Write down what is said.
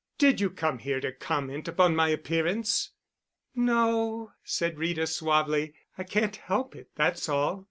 "Did you come here to comment upon my appearance?" "No," said Rita suavely. "I can't help it—that's all.